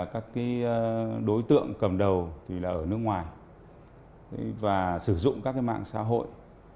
các đối tượng cầm đầu là ở nước ngoài và sử dụng các mạng xã hội